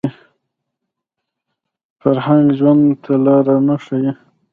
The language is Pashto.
فرهنګ ژوند ته لاره نه ښيي